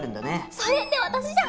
それって私じゃん。